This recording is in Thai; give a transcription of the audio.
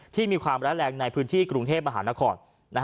ที่มีความร้ายแรงในพื้นที่กรุงเทพมหานคร